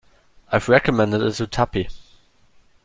I've recommended it to Tuppy.